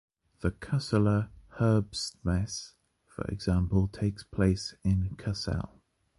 The Kuseler Herbstmesse, for example, takes place in Kusel.